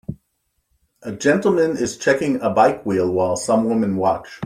A gentleman is checking a bike wheel while some women watch.